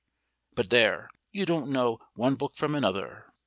But there! you don't know one book from another!